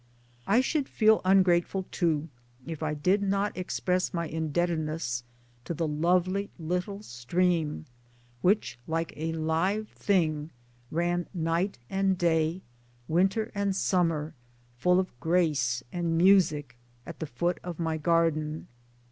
I should feel ungrateful too if I did not express my indebtedness to the lovely little stream which! like a live thing ran night and day, winter and summer, full of grace and music at the foot of my garden.